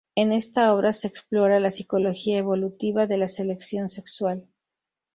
En esta obra se explora la psicología evolutiva de la selección sexual.